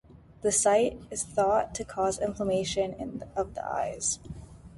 The sight is thought to cause inflammation of the eyes.